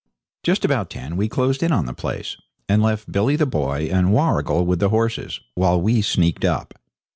Just about ten o'clock we closed in on the place, and left Billy the Boy and Warrigal with the horses, while we sneaked up.